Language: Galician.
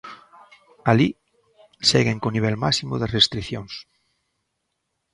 Alí seguen co nivel máximo de restricións.